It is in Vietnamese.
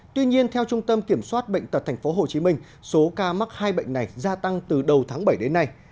tuy nhiên theo trung tâm kiểm soát bệnh tật tp hcm số ca mắc hai bệnh này gia tăng từ đầu tháng bảy đến nay